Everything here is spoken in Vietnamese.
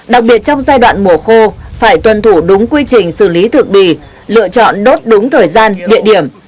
đặc biệt trong giai đoạn mùa khô phải tuân thủ đúng quy trình xử lý thực bì lựa chọn đốt đúng thời gian địa điểm